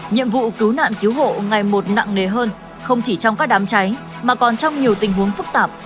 nhiệm vụ cứu nạn cứu hộ ngày một nặng nề hơn không chỉ trong các đám cháy mà còn trong nhiều tình huống phức tạp